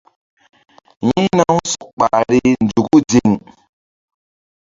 Yi̧hna-u sɔk ɓahri nzuku ziŋ.